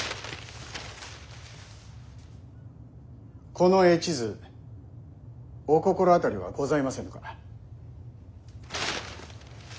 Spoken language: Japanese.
この絵地図お心当たりはございませぬか？